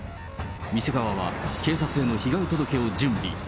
店側は、警察への被害届を準備。